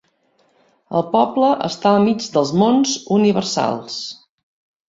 El poble està al mig dels Monts Universals.